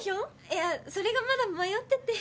いやそれがまだ迷ってて。